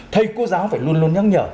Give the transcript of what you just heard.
thầy cô giáo phải luôn luôn nhắc nhở